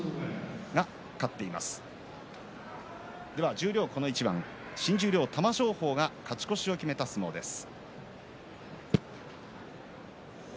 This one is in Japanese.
十両この一番新十両玉正鳳が勝ち越しを決めた相撲です。